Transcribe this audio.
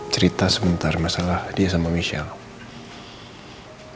cerita sebentar masalah dia sama michelle